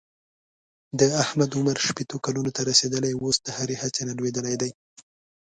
د احمد عمر شپېتو کلونو ته رسېدلی اوس د هرې هڅې نه لوېدلی دی.